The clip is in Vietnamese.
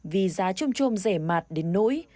vì giá trôm trôm rẻ mạt đến nỗi